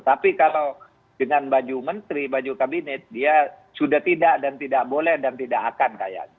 tapi kalau dengan baju menteri baju kabinet dia sudah tidak dan tidak boleh dan tidak akan kayaknya